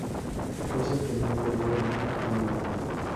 Cosa que no ha ocurrido muy a menudo.